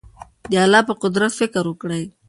د الله په قدرت فکر وکړئ.